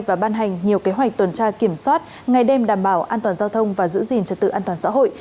và ban hành nhiều kế hoạch tuần tra kiểm soát ngày đêm đảm bảo an toàn giao thông và giữ gìn trật tự an toàn xã hội